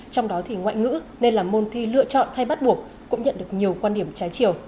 trong đó thì ngoại ngữ nên là môn thi lựa chọn hay bắt buộc cũng nhận được nhiều quan điểm trái chiều